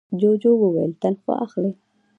جوجو وویل تنخوا اخلې؟